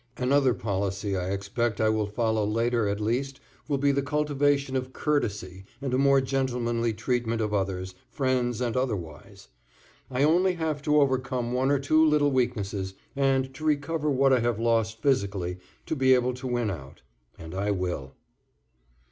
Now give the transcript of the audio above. Another policy I expect I will follow later, at least, will be the cultivation of courtesy and a more gentlemanly treatment of others, friends and otherwise. I only have to overcome one or two little weaknesses, and to recover what I have lost physically to be able to win out and I will.